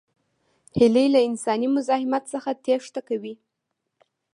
هیلۍ له انساني مزاحمت څخه تېښته کوي